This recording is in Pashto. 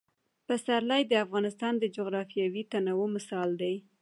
پسرلی د افغانستان د جغرافیوي تنوع مثال دی.